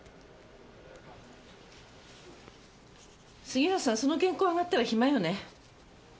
杉浦さんその原稿あがったら暇よね？